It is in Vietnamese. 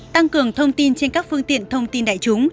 tăng cường thông tin trên các phương tiện thông tin